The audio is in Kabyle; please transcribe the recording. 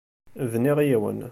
Bniɣ yiwen.